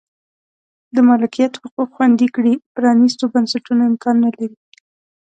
د مالکیت حقوق خوندي کړي پرانیستو بنسټونو امکان نه لري.